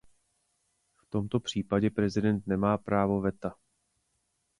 V tomto případě prezident nemá právo veta.